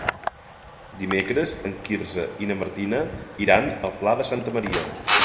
Dimecres en Quirze i na Martina iran al Pla de Santa Maria.